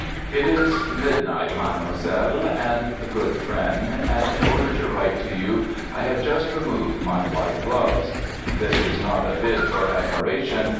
It is midnight, Mademoiselle and good friend, and in order to write to you I have just removed my white gloves. (This is not a bid for admiration.